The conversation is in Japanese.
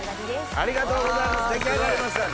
ありがとうございます。